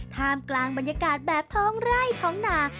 ท่ามกลางบรรยากาศแบบท้องไร่ท้องนา